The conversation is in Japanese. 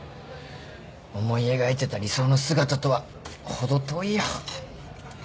思い描いてた理想の姿とは程遠いよ。